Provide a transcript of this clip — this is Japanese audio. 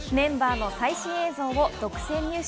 メンバーの最新映像を独占入手。